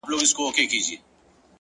د زړه پاکوالی ستره شتمني ده!